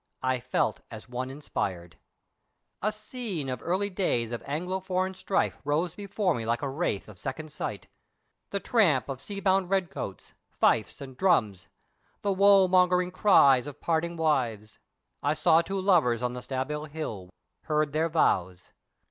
I felt as one inspired. A scene of early days of Anglo foreign strife rose before me like a wraith of second sight. The tramp of sea bound red coats, fifes and drums, the woe mongering cries of parting wives. I saw two lovers on the Staball hill, heard their vows.